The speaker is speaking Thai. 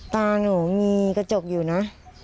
ตาหนูมีกระจกอยู่นะ